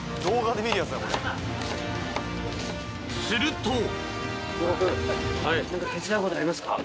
［すると］